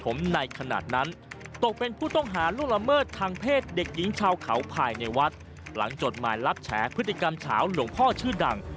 ผมในขณะนั้นตกเป็นผู้ต้องหาล่วงละเมิดทางเพศเด็กหญิงชาวเขาภายในวัดหลังจดหมายรับแฉพฤติกรรมเฉาหลวงพ่อชื่อดัง